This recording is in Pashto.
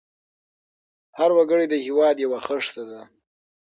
هر وګړی د هېواد یو خښته ده.